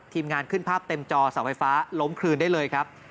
ทีมงานขึ้นภาพเต็มจอเสาไฟฟ้าล้มคลืนได้เลยครับ